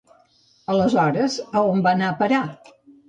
Aleshores, a on va anar a parar?